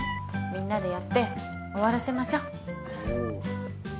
みんなでやって終わらせましょう。